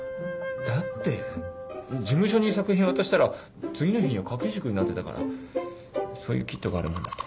だって事務所に作品を渡したら次の日には掛け軸になってたからそういうキットがあるもんだと。